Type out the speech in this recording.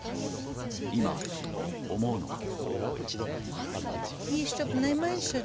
今、思うのは。